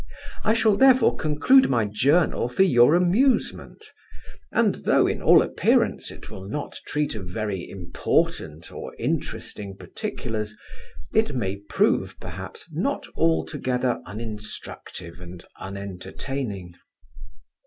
I shall therefore conclude my journal for your amusement; and, though, in all appearance, it will not treat of very important or interesting particulars, it may prove, perhaps, not altogether uninstructive and unentertaining.